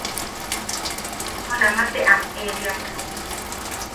Junama te am eʼeriak.